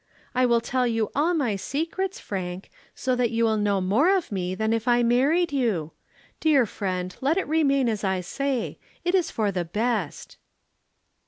I will tell you all my secrets, Frank, so that you will know more of me than if I married you. Dear friend, let it remain as I say. It is for the best."